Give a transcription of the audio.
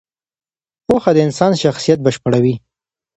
پوهه د انسان شخصیت بشپړوي.